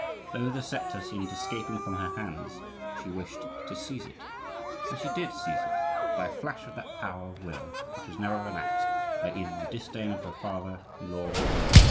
Though the sceptre seemed escaping from her hands, she wished to seize it; and she did seize it by a flash of that power of will which was never relaxed by either the disdain of her father in law, Francois I.